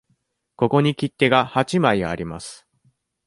ここに切手が八枚あります。